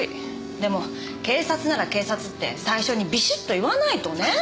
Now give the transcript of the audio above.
でも警察なら警察って最初にビシッと言わないとね。